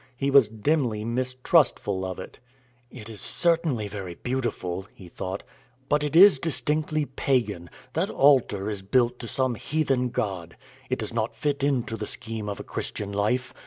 He was dimly mistrustful of it. "It is certainly very beautiful," he thought, "but it is distinctly pagan; that altar is built to some heathen god. It does not fit into the scheme of a Christian life.